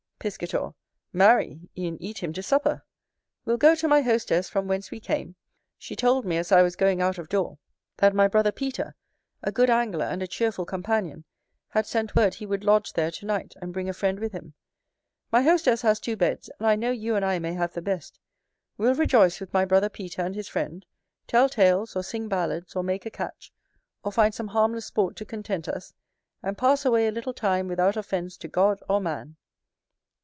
Piscator. Marry, e'en eat him to supper: we'll go to my hostess from whence we came; she told me, as I was going out of door, that my brother Peter, a good angler and a cheerful companion, had sent word he would lodge there to night, and bring a friend with him. My hostess has two beds, and I know you and I may have the best: we'll rejoice with my brother Peter and his friend, tell tales, or sing ballads, or make a catch, or find some harmless sport to content us, and pass away a little time without offence to God or man.